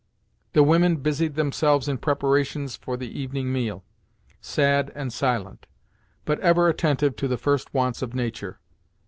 The women busied themselves in preparations for the evening meal, sad and silent, but ever attentive to the first wants of nature.